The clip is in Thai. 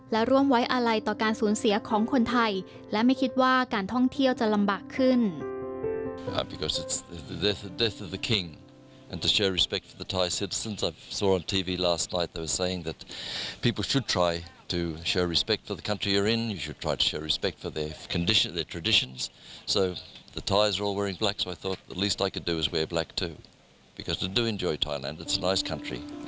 และร่วมไว้อาลัยต่อการสูญเสียของคนไทยและไม่คิดว่าการท่องเที่ยวจะลำบากขึ้น